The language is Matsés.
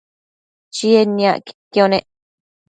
Chied niacquidquio nec